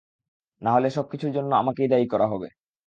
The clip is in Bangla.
না হলে সব কিছুর জন্য আমাকেই দায়ী করা হবে!